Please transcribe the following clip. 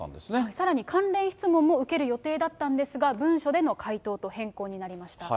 さらに関連質問も受ける予定だったんですが、文書での回答と変更になりました。